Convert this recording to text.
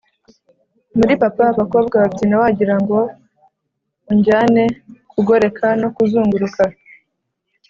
muri papa abakobwa babyina wagirango unjyane kugoreka no kuzunguruka.